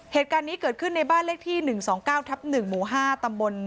เหตุการณ์นี้เกิดขึ้นในบ้านเลขที่๑๒๙ทับ๑หมู่๕ตำบล